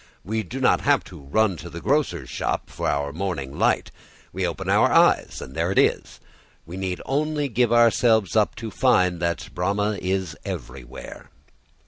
We do not have to run to the grocer's shop for our morning light; we open our eyes and there it is; so we need only give ourselves up to find that Brahma is everywhere.